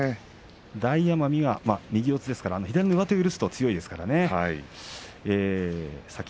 大奄美は右四つですから左の上手を許すと強いですからね。